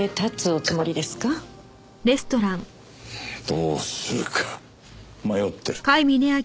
どうするか迷ってる。